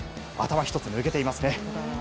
頭一つ抜けていますね。